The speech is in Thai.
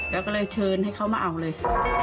แล้วก็เลยเชิญให้เขามาเอาเลย